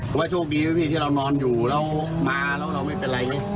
ผมว่าโชคดีนะพี่ที่เรานอนอยู่แล้วมาแล้วเราไม่เป็นไร